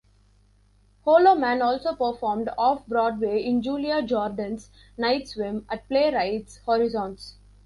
Holloman also performed off-Broadway in Julia Jordan's "Night Swim" at Playwright's Horizons.